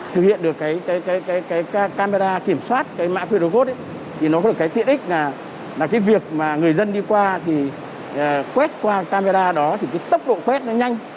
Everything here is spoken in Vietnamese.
thực hiện được camera kiểm soát mã qr thì có được tiện ích là việc người dân đi qua quét qua camera đó tốc độ quét nhanh